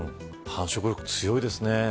繁殖力強いですね。